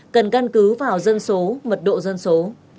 cần căn cứ vào dân số mật độ dân số